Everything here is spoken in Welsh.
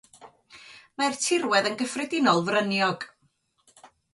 Mae'r tirwedd yn gyffredinol fryniog.